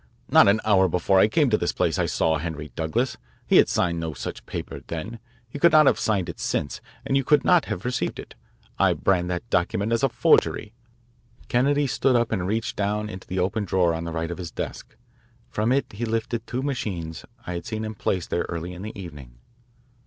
"Not an hour before I came into this place I saw Henry Douglas. He had signed no such paper then. He could not have signed it since, and you could not have received it. I brand that document as a forgery." Kennedy stood up and reached down into the open drawer on the right of his desk. From it he lifted the two machines I had seen him place there early in the evening.